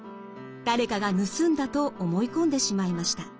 誰かが盗んだと思い込んでしまいました。